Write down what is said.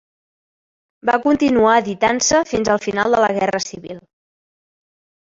Va continuar editant-se fins al final de la Guerra civil.